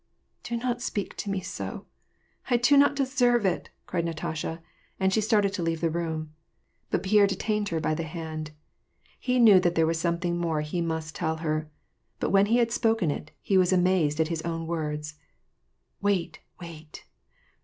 " Do not speak to me so, I do not de.3erve it !" cried Natasha, Tid she started to leave the room ; but Pierre detained her by 1 le hand. He knew that there was something more he must ' 11 her. But when he had spoken it, he was amazed at his Vn words. " Wait, wait